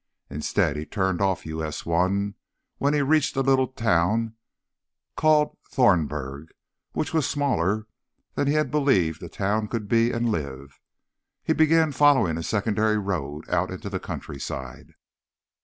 Instead, he turned off U. S. 1 when he reached a little town called Thornburg, which was smaller than he had believed a town could be and live. He began following a secondary road out into the countryside.